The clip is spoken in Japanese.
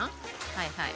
はいはい。